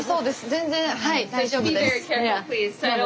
全然はい大丈夫です。